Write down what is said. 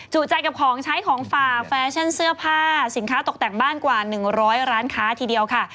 ใจกับของใช้ของฝากแฟชั่นเสื้อผ้าสินค้าตกแต่งบ้านกว่า๑๐๐ร้านค้าทีเดียวค่ะ